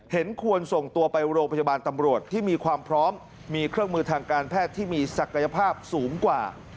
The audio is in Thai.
เห็นควรส่งตัวไปโรงพยาบาลตำรวจที่มีความพร้อมมีเครื่องมือทางการแพทย์ที่มีศักยภาพสูงกว่า